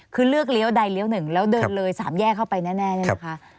คือเลือกเลี้ยวใดเลี้ยวหนึ่งแล้วเดินเลย๓แยกเข้าไปแน่เนี่ยนะคะ